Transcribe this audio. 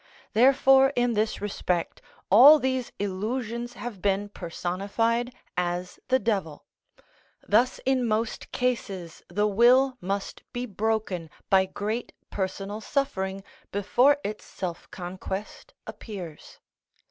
Therefore in this respect all these illusions have been personified as the devil. Thus in most cases the will must be broken by great personal suffering before its self conquest appears.